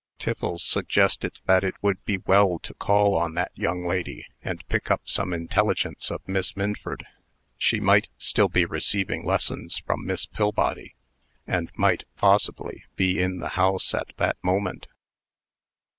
Tiffles suggested that it would be well to call on that young lady, and pick up some intelligence of Miss Minford. She might still be receiving lessons from Miss Pillbody; and might, possibly, be in the house at that moment.